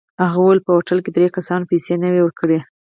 هغه وویل په هوټل کې درې کسانو پیسې نه وې ورکړې.